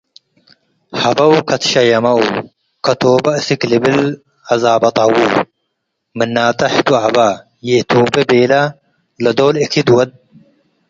ሀበው ከትሸየመው፣ ከቶበ አስክ ልብል አዛበጠዎ፣ ምናተ ህቱ አበ። ‘ይእቶቤ’ ቤለ፣ ለዶል እክድ ወድ